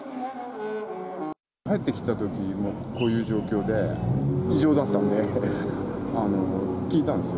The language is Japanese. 帰ってきたときにもうこういう状況で、異常だったので、聞いたんですよ。